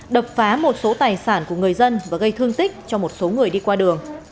đập phá một số tài sản của người dân và gây thương tích cho một số người đi qua đường